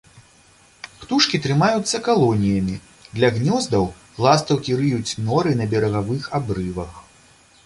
Птушкі трымаюцца калоніямі, для гнёздаў ластаўкі рыюць норы на берагавых абрывах.